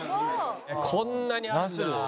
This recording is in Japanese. こんなにあるんだ。